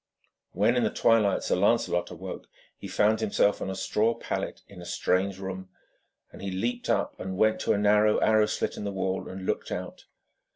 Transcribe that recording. When in the twilight Sir Lancelot awoke, he found himself on a straw pallet in a strange room, and he leaped up and went to a narrow arrow slit in the wall and looked out.